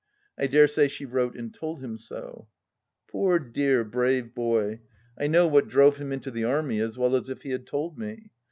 I dare say she wrote and told him so ?... Poor dear, brave boy ! I know what drove him into the Army as well as if he had told me.